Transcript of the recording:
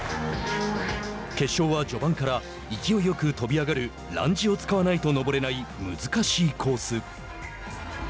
決勝は序盤から勢いよく跳び上がるランジを使わないと登れない難しいコース。